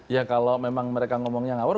ya kalau memang mereka ngomongnya ngawur